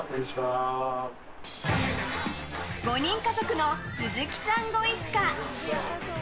５人家族の鈴木さんご一家。